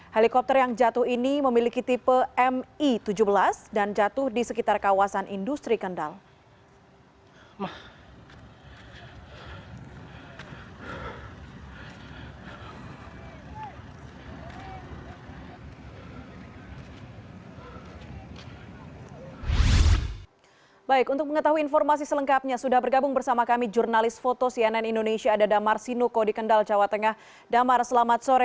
helikopter yang jatuh ini memiliki tipe mi tujuh belas dan jatuh di sekitar kawasan industri kendal